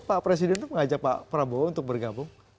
pak presiden itu mengajak pak prabowo untuk bergabung